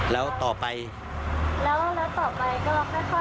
แล้วต่อไปแล้วแล้วต่อไปก็ค่อยค่อยลงเรื่อยเรื่อย